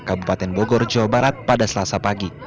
kabupaten bogor jawa barat pada selasa pagi